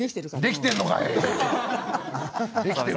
できてんのかい！